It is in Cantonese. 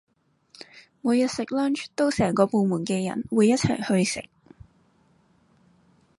每日食 lunch 都成個部門嘅人會一齊去食